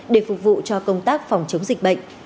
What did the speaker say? để phục vụ cho công tác phòng chống dịch bệnh